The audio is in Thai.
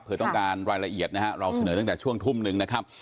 เพื่อต้องการรายละเอียดนะฮะเราเสนอตั้งแต่ช่วงทุ่มหนึ่งนะครับ